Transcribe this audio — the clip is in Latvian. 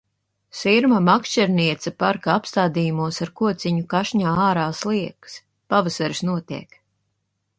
Sirma makšķerniece parka apstādījumos ar kociņu kašņā ārā sliekas. Pavasaris notiek.